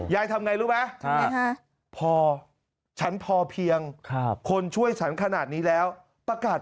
ทำไงรู้ไหมพอฉันพอเพียงคนช่วยฉันขนาดนี้แล้วประกาศ